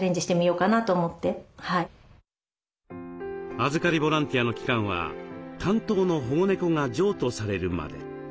預かりボランティアの期間は担当の保護猫が譲渡されるまで。